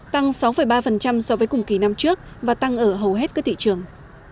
tăng sáu ba so với cùng kỳ năm trước và tăng ở hầu hết các thị trường